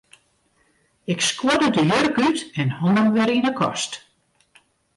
Ik skuorde de jurk út en hong him wer yn 'e kast.